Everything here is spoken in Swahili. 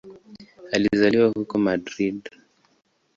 Alizaliwa huko Madrid.